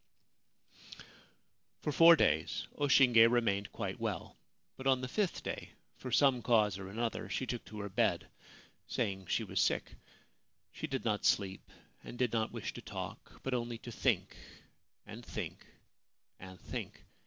For four days O Shinge remained quite well ; but on the fifth day, for some cause or another, she took to her bed, saying she was sick. She did not sleep, and did not wish to talk, but only to think, and think, and think.